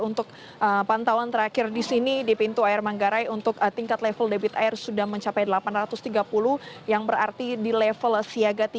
untuk pantauan terakhir di sini di pintu air manggarai untuk tingkat level debit air sudah mencapai delapan ratus tiga puluh yang berarti di level siaga tiga